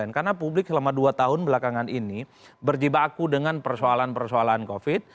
karena publik selama dua tahun belakangan ini berjebakku dengan persoalan persoalan covid